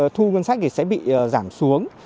thu dân sách thì sẽ bị giảm xuống